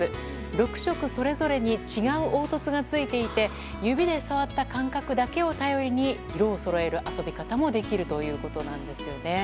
６色それぞれに違う凹凸がついていて指で触った感覚だけを頼りに色をそろえる遊び方もできるということなんです。